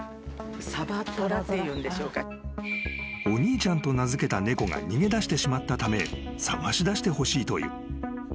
［お兄ちゃんと名付けた猫が逃げだしてしまったため捜し出してほしいという］